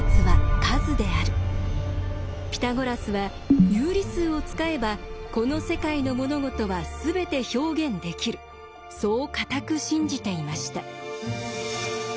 ピタゴラスは有理数を使えばこの世界の物事はすべて表現できるそう固く信じていました。